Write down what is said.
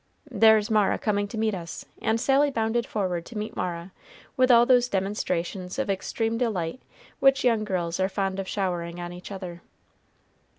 There's Mara coming to meet us;" and Sally bounded forward to meet Mara with all those demonstrations of extreme delight which young girls are fond of showering on each other.